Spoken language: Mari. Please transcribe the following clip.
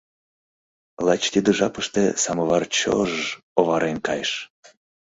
Лач тиде жапыште самовар чож-ж оварен кайыш.